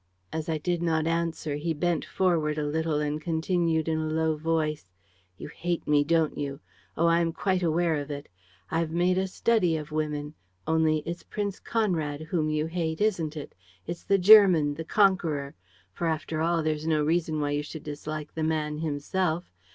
"As I did not answer, he bent forward a little and continued, in a low voice: "'You hate me, don't you? Oh, I'm quite aware of it! I've made a study of women. Only, it's Prince Conrad whom you hate, isn't it? It's the German, the conqueror. For, after all, there's no reason why you should dislike the man himself.